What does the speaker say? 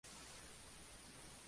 Guerra con los normandos.